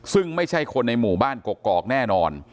ซึ่งไม่ใช่คนในหมู่บ้านกกอกแน่นอน